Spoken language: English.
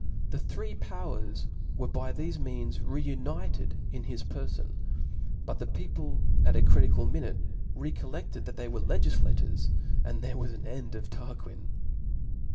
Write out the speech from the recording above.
The three powers were by thefe means reunited in his perfon •» but the people at a critical minute recollected that they were legiflators^ dod there was an end of Tarquin.